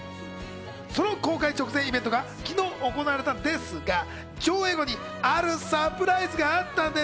その公開直前イベントが昨日行われたんですが、上映後にあるサプライズがあったんです。